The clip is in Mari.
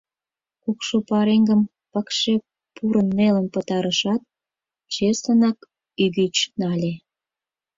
Кукшо пареҥгым пыкше пурын-нелын пытарышат, чеслынак ӱгыч нале.